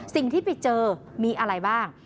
สิ่งที่ไปเจอมีอะไรบ้าง